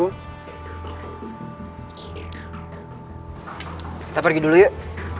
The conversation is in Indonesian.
kita pergi dulu yuk